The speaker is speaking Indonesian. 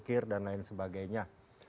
kir dan lain sebagainya